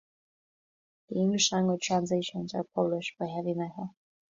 The English language translations are published by "Heavy Metal".